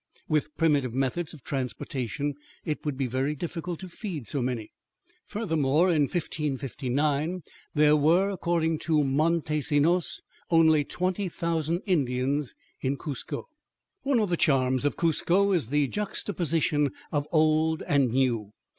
With primitive methods of transportation it would be very difficult to feed so many. Furthermore, in 1559, there were, according to Montesinos, only 20,000 Indians in Cuzco. One of the charms of Cuzco is the juxtaposition of old and new.